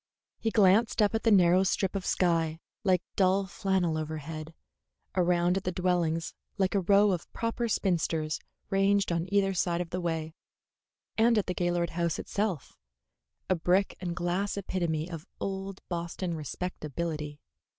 He glanced up at the narrow strip of sky like dull flannel overhead, around at the dwellings like a row of proper spinsters ranged on either side of the way, and at the Gaylord house itself, a brick and glass epitome of old Boston respectability.